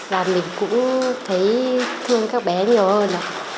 và mình cũng thấy thương các bé nhiều hơn